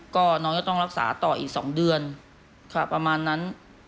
ก็น้องจะต้องรักษาต่ออีก๒เดือนประมาณนั้น